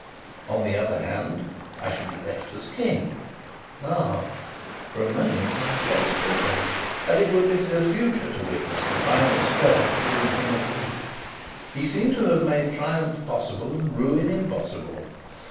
On the other hand, I should be left as King (ah! for a moment my pulse quickened) and it would be for the future to witness the final struggle between him and me. He seemed to have made triumph possible and ruin impossible.